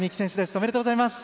おめでとうございます。